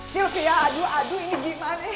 silvia aduh aduh ini gimana ya